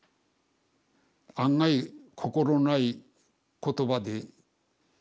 案外心ない言葉で。